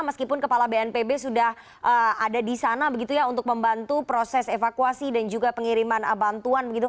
meskipun kepala bnpb sudah ada di sana begitu ya untuk membantu proses evakuasi dan juga pengiriman bantuan begitu